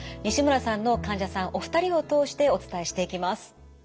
西村さんの患者さんお二人を通してお伝えしていきます。